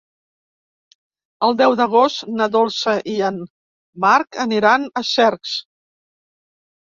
El deu d'agost na Dolça i en Marc aniran a Cercs.